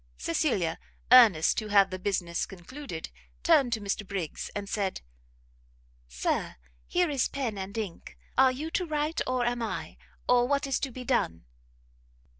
Cecilia, earnest to have the business concluded, turned to Mr Briggs, and said, "Sir, here is pen and ink: are you to write, or am I? or what is to be done?"